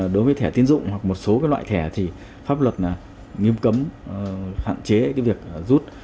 đối với thẻ tiến dụng hoặc một số loại thẻ thì pháp luật nghiêm cấm hạn chế việc rút